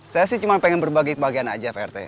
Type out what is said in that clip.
saya sih cuma pengen berbagi kebahagiaan aja pak rete